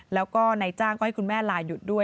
แล้วก็นายจ้างก็ให้คุณแม่ลาหยุดด้วย